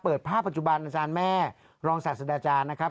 เปิดภาพปัจจุบันอาจารย์แม่รองศาสดาจารย์นะครับ